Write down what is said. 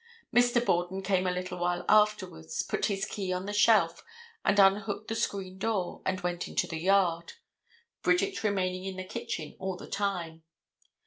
Mr. Borden came a little while afterwards, put his key on the shelf, and unhooked the screen door and went into the yard, Bridget remaining in the kitchen all the time.